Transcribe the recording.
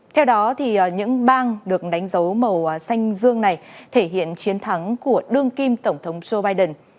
theo đó những bang được đánh dấu màu xanh dương này thể hiện chiến thắng của đương kim tổng thống joe biden